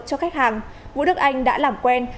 cho khách hàng vũ đức anh đã làm quen